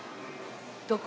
どこ？